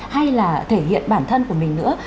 hay là thể hiện bản thân của mình nữa